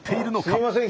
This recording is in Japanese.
すいません